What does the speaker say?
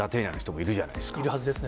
いるはずですね。